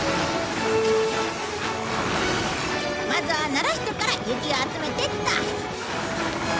まずはならしてから雪を集めてと。